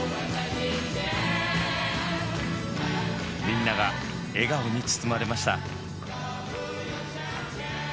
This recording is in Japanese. みんなが笑顔に包まれました。